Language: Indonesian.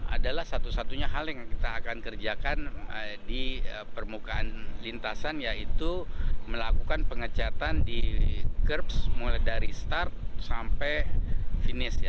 adalah satu satunya hal yang kita akan kerjakan di permukaan lintasan yaitu melakukan pengecatan di kerps mulai dari start sampai finish ya